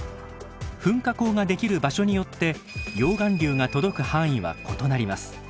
噴火口ができる場所によって溶岩流が届く範囲は異なります。